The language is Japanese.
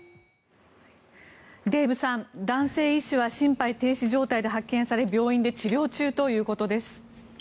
デーブさん、男性医師は心肺停止状態で発見され病院で治療中ということです。